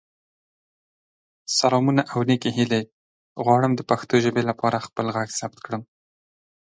Carey's vocals span from F to G in the song.